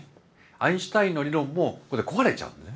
アインシュタインの理論もここで壊れちゃうんだよね。